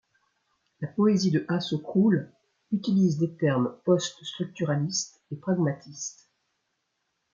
La poésie de Hasso Krull utilise des termes post-structuralistes et pragmatistes.